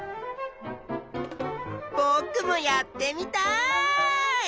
ぼくもやってみたい！